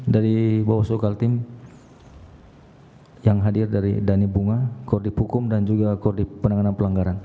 dari bawaslu kaltim yang hadir dari dhani bunga kordi pukum dan juga kordi penanganan pelanggaran